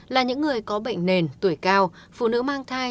là những người có bệnh nền tuổi cao phụ nữ mang thai